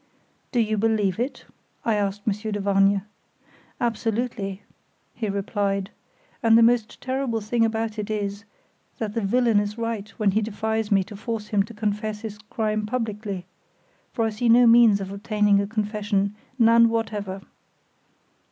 "Do you believe it?" I asked Monsieur de Vargnes. "Absolutely," he replied. "And the most terrible thing about it is, that the villain is right when he defies me to force him to confess his crime publicly, for I see no means of obtaining a confession, none whatever.